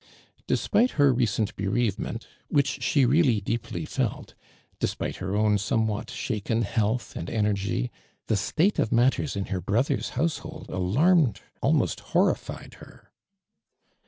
Despite her recent bereavement, which she leally deeply felt ; despite her own some what shaken health and energy, the state of matters in her brother's household alarm ed, almost horrified her.